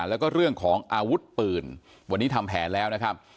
แล้วก็เรื่องของอาวุธปืนวันนี้ทำแผนแล้วนะครับ